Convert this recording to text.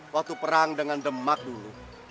waktu perang dengan demak dulu